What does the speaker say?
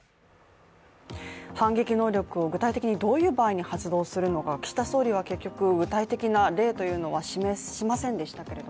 反撃能力を具体的にどういう場合に発動するのか岸田総理は結局、具体的な例というのは示しませんでしたけど